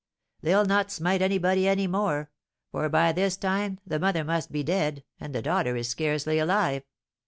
"They'll not smite anybody any more, for by this time the mother must be dead, and the daughter is scarcely alive.